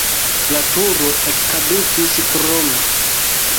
La turo ekkadukis krome.